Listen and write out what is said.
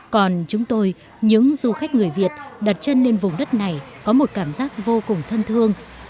còn chúng tôi những du khách người việt đặt chân lên vùng đất này có một cảm giác vô cùng thân thương